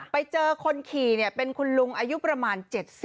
ไปเจอคนขี่เป็นคุณลุงอายุประมาณ๗๐